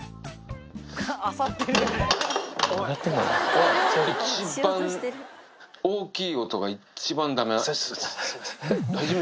おい、一番、大きい音が一番だめ。